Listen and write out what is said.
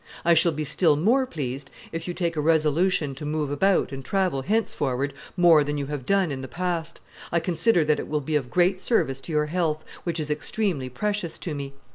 I shall be still more pleased if you take a resolution to move about and travel henceforward more than you have done in the past; I consider that it will be of great service to your health, which is extremely precious to me.